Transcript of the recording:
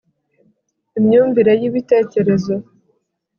Imyumvire yibitekerezo